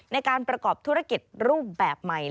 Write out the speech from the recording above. ในการประกอบธุรกิจรูปแบบใหม่